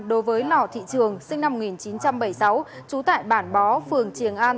đối với lò thị trường sinh năm một nghìn chín trăm bảy mươi sáu trú tại bản bó phường triềng an